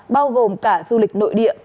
bao gồm cả du lịch nội địa